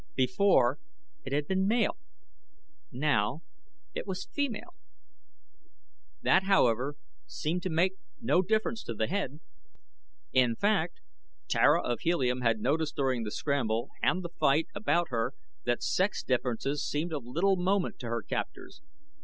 Before it had been male now it was female. That, however, seemed to make no difference to the head. In fact, Tara of Helium had noticed during the scramble and the fight about her that sex differences seemed of little moment to her captors.